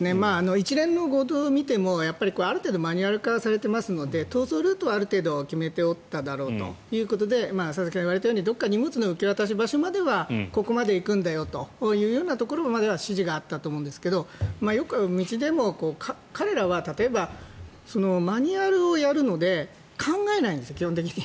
一連の強盗を見てもある程度マニュアル化されていますので逃走ルートはある程度決めていただろうということで佐々木さんが言われたようにどこか、荷物の受け渡しまではここに行くんだよというようなところまでは指示があったと思うんですがよく道でも、彼らは例えばマニュアルをやるので考えないんですよ、基本的に。